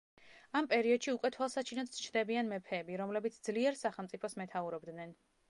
ამ პერიოდში უკვე თვალსაჩინოდ ჩნდებიან მეფეები, რომლებიც ძლიერ სახელმწიფოს მეთაურობდნენ.